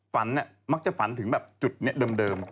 ฝันมักจะฝันถึงจุดเดิม